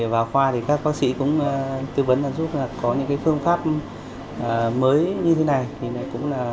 vào khoa các bác sĩ cũng tư vấn giúp có những phương pháp mới như thế này